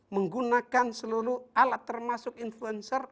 menggunakan seluruh alat termasuk influencer